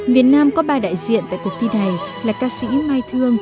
việt nam có ba đại diện tại cuộc thi này là ca sĩ mai thương